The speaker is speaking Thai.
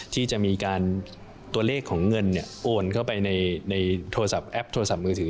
ที่จะมีการตัวเลขของเงินโอนเข้าไปในโทรศัพท์แอปโทรศัพท์มือถือ